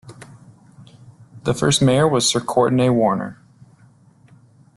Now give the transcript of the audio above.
The first mayor was Sir Courtenay Warner.